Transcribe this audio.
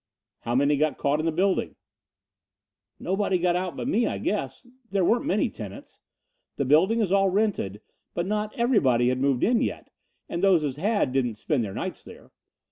"How many got caught in the building?" "Nobody got out but me, I guess. There weren't many tenants. The building is all rented, but not everybody had moved in yet and those as had didn't spend their nights there.